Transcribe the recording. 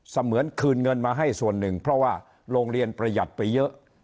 เหมือนคืนเงินมาให้ส่วนหนึ่งเพราะว่าโรงเรียนประหยัดไปเยอะ